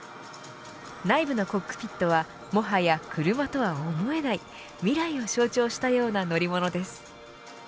内部のコックピットはもはや車とは思えない未来を象徴したような乗り物です。